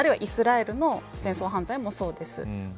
イスラエルの戦争犯罪もそうです。